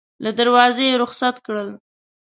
له دروازې یې رخصت کړل.